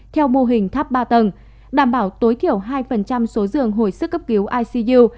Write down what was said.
theo mô hình tháp ba tầng đảm bảo tối thiểu hai số giường hồi sức cấp cứu icu